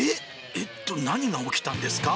えっと、何が起きたんですか？